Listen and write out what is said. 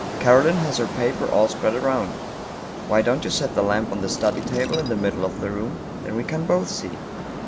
Carohne has her paper all spread around. Why don't you set the lamp on the study table in the middle of the room, then we can both see?